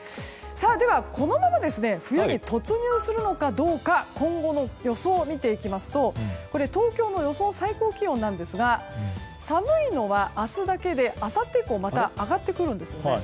では、このまま冬に突入するのかどうか今後の予想を見ていきますと東京の予想最高気温なんですが寒いのは明日だけであさって以降はまた上がってくるんですね。